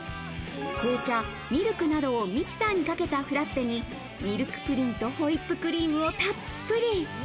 紅茶、ミルクなどをミキサーにかけたフラッペにミルクプリンとホイップクリームをたっぷり。